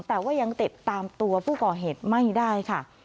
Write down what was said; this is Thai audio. แต่ว่ายังติดตามตัวผู้ก่อเหตุไม่ได้ค่ะ